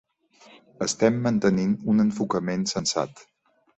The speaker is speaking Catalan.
Estem mantenint un enfocament sensat.